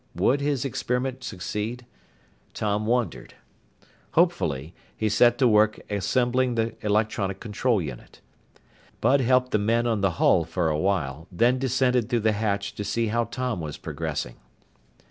Would his experiment succeed? Tom wondered. Hopefully, he set to work assembling the electronic control unit. Bud helped the men on the hull for a while, then descended through the hatch to see how Tom was progressing.